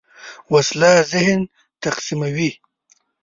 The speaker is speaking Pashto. وسله ذهن تقسیموي